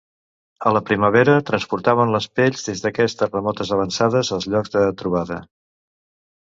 A la primavera transportaven les pells des d'aquestes remotes avançades als llocs de trobada.